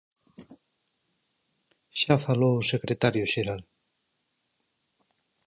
"Xa falou o secretario xeral".